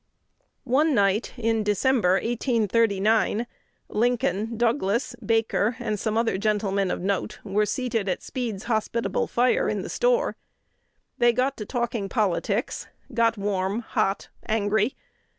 One night in December, 1839, Lincoln, Douglas, Baker, and some other gentlemen of note, were seated at Speed's hospitable fire in the store. They got to talking politics, got warm, hot, angry.